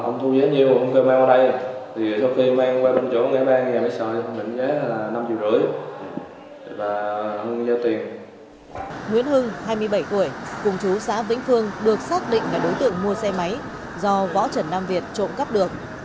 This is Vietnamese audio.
nguyễn hưng hai mươi bảy tuổi cùng chú xã vĩnh phương được xác định là đối tượng mua xe máy do võ trần nam việt trộm cắp được